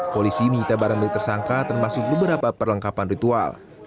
polisi menyita barang milik tersangka termasuk beberapa perlengkapan ritual